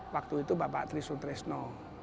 waktu itu bapak trisul tresno